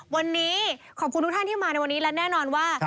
วันนี้ขอบคุณทุกท่านที่มาในวันนี้และแน่นอนว่า